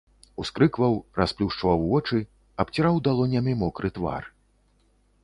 Ускрыкваў, расплюшчваў вочы, абціраў далонямі мокры твар.